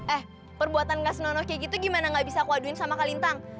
eh perbuatan gak senonoh kayak gitu gimana gak bisa akuaduin sama kalintang